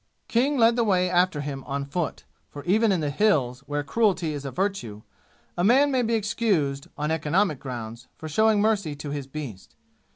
King led the way after him on foot, for even in the "Hills" where cruelty is a virtue, a man may be excused, on economic grounds, for showing mercy to his beast.